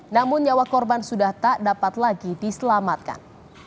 namun nyawa korban sudah tak dapat lagi diselamatkan